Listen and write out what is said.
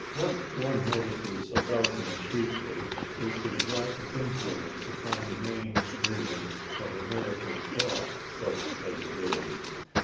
What one notices about him chiefly is his lack of influence upon the main stream of American thought, such as it is.